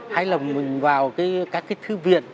hay là mình vào các cái thư viện